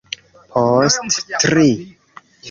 Post tri...